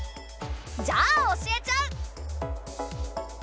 じゃあ教えちゃう！